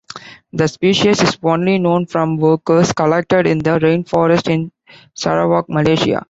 The species is only known from workers collected in the rainforest in Sarawak, Malaysia.